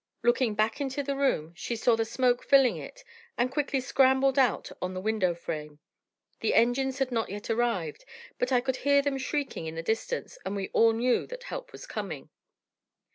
Looking back into the room, she saw the smoke filling it, and quickly scrambled out on the window frame. The engines had not yet arrived, but I could hear them shrieking in the distance, and we all knew that help was coming.